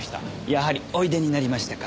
やはりおいでになりましたか。